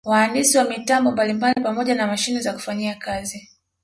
Wahandisi wa mitambo mbalimbali pamoja na mashine za kufanyia kazi